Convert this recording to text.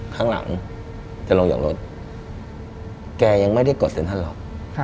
ข้างหลังจะลงจากรถแกยังไม่ได้กดเซ็นทรัลหรอก